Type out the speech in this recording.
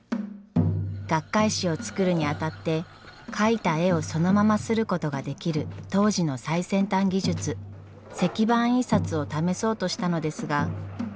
学会誌を作るにあたって描いた絵をそのまま刷ることができる当時の最先端技術石版印刷を試そうとしたのですが。